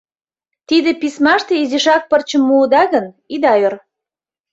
Тиде письмаште изишак пырчым муыда гын, ида ӧр».